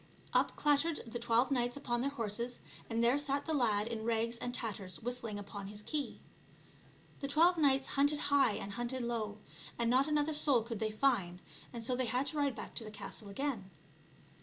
Up clattered the twelve knights on their horses, and there sat the lad in rags and tatters whistling upon his key. The twelve knights hunted high and hunted low, and not another soul could they find, and so they had to ride back to the castle again.